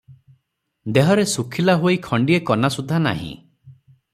ଦେହରେ ଶୁଖିଲା ହୋଇ ଖଣ୍ଡିଏ କନା ସୁଦ୍ଧା ନାହିଁ ।